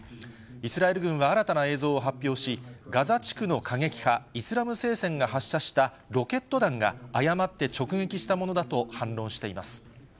イスラエル軍は新たな映像を発表し、ガザ地区の過激派イスラム聖戦が発射したロケット弾が、誤って直